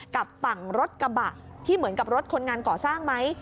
กับฝั่งรถกระบะที่เหมือนกับรถคนงานก่อสร้างไหม